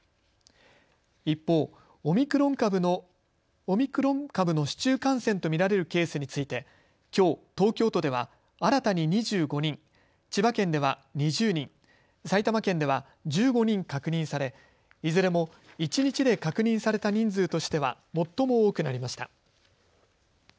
一方、オミクロン株の市中感染と見られるケースについてきょう、東京都では新たに２５人、千葉県では２０人、埼玉県では１５人確認されいずれも一日で確認された人数としては最も多くなりました。